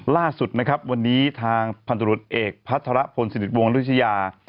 ล่าสุดนะครับวันนี้ทางพันธุรุตเอกพัฒระผลสถิติวงศ์รุชยา